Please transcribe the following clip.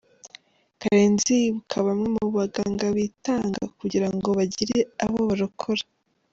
Karenzi yibuka bamwe mu baganga bitanga kugira ngo bagire abo barokora.